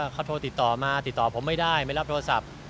เขาโทรติดต่อมาติดต่อผมไม่ได้ไม่รับโทรศัพท์